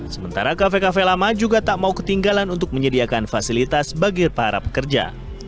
sementara kafe kafe lama juga tak mau ketinggalan untuk menyediakan fasilitas bagi para pekerja